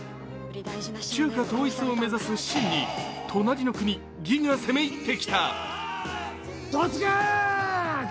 中華統一を目指す秦に隣の国魏が攻め入ってきた。